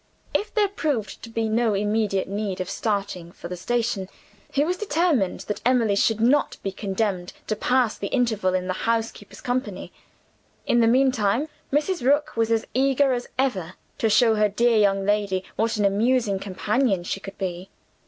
If there proved to be no immediate need of starting for the station, he was determined that Emily should not be condemned to pass the interval in the housekeeper's company. In the meantime, Mrs. Rook was as eager as ever to show her dear young lady what an amusing companion she could be.